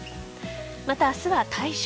また、明日は大暑。